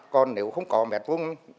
còn nếu không có mẹt vốn